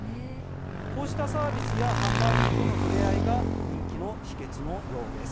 こうしたサービスや販売員との触れ合いが人気の秘けつのようです。